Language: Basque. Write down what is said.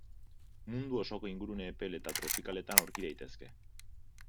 Mundu osoko ingurune epel eta tropikaletan aurki daitezke.